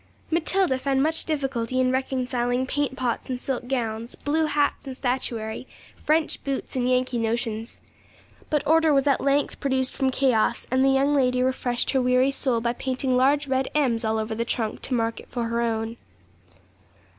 Matilda found much difficulty in reconciling paint pots and silk gowns, blue hats and statuary, French boots and Yankee notions. But order was at length produced from chaos, and the young lady refreshed her weary soul by painting large red M's all over the trunk to mark it for her own.